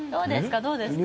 どうですか？